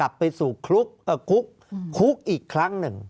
ภารกิจสรรค์ภารกิจสรรค์